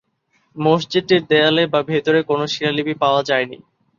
মসজিদটির দেয়ালে বা ভেতরে কোন শিলালিপি পাওয়া যায়নি।